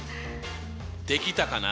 できたかな？